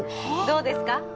どうですか？